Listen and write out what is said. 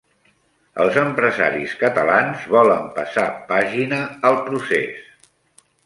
Els empresaris catalans volen passar pàgina al "procés".